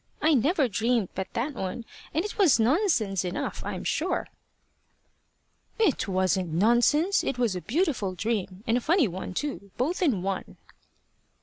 I never dreamed but that one, and it was nonsense enough, I'm sure." "It wasn't nonsense. It was a beautiful dream and a funny one too, both in one."